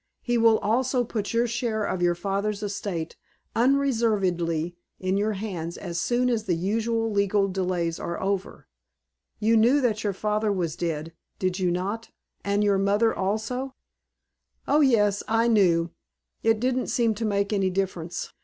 He will also put your share of your father's estate unreservedly in your hands as soon as the usual legal delays are over. You knew that your father was dead, did you not? And your mother also?" "Oh yes, I knew. It didn't seem to make any difference.